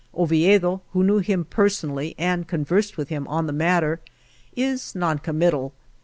Oviedo, who knew him personally and conversed with him on the matter, is non committal.